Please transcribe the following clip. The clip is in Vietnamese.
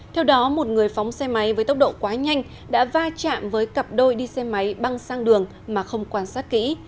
theo đó một người phóng xe máy với tốc độ quá nhanh đã va chạm với cặp đôi đi xe máy băng sang đường mà không quan sát kỹ